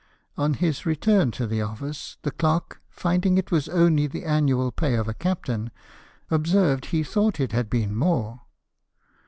On his return to the office the clerk, finding it was only the annual pay of a captain, observed he thought it had been more.